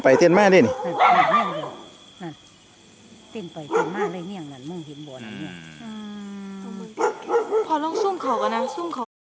พอลงสุ่มเขากันนะสุ่มเขา